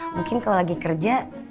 mungkin kalau lagi kerja